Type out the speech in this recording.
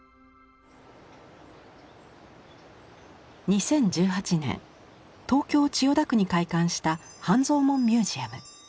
２０１８年東京千代田区に開館した半蔵門ミュージアム。